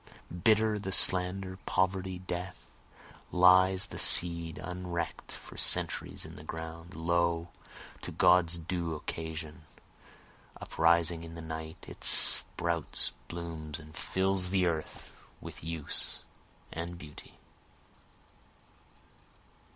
bitter the slander, poverty, death? Lies the seed unreck'd for centuries in the ground? lo, to God's due occasion, Uprising in the night, it sprouts, blooms, And fills the earth with use and beauty.)